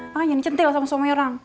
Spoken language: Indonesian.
makanya nih cantik lah sama suami orang